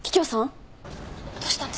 どうしたんですか？